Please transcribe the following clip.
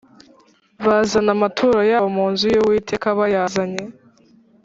bazana amaturo yabo mu nzu y Uwiteka bayazanye